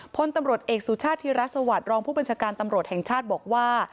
พลตำรวจเอกสุชาติธิรัฐสวัสดิรองผู้บัญชาการตำรวจแห่งชาติบอกว่า